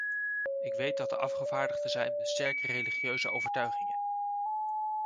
Ik weet dat er afgevaardigden zijn met sterke religieuze overtuigingen.